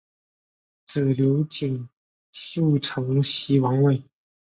子刘景素承袭王位。